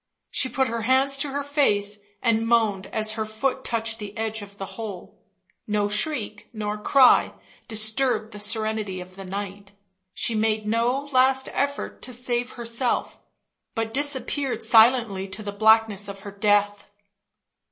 She put her hands to her face and moaned as her foot touched the edge of the hole ... no shriek nor cry disturbed the serenity of the night, she made no last effort to save herself; but disappeared silently to the blackness of her death.